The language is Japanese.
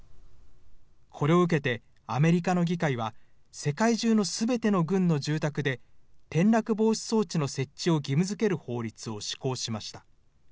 これを受けて、アメリカの議会は、世界中のすべての軍の住宅で、転落防止装置の設置を義務づける法律を施行しました。